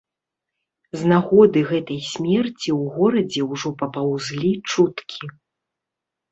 З нагоды гэтай смерці ў горадзе ўжо папаўзлі чуткі.